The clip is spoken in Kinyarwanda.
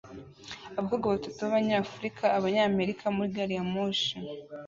Abakobwa batatu b'Abanyafurika-Abanyamerika muri gari ya moshi